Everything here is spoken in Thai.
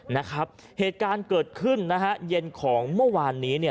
นะครับเหตุการณ์เกิดขึ้นนะฮะเย็นของเมื่อวานนี้เนี่ย